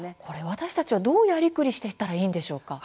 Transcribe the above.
私たちはどうやりくりしていったらいいんでしょうか。